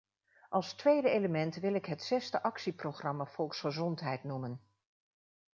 Als tweede element wil ik het zesde actieprogramma volksgezondheid noemen.